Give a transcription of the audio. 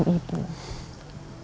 seperti itu pak